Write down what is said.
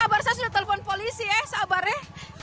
kabar saya sudah telepon polisi ya sabarnya